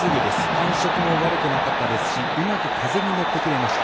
感触も悪くなかったですしうまく風に乗ってくれました。